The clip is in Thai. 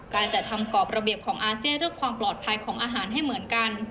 การจัดทำกรอบระเบียบของอาเซียนเรื่องความปลอดภัยของอาหารให้เหมือนกัน